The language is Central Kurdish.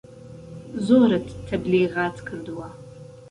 زۆرت تەبلیغات کردوە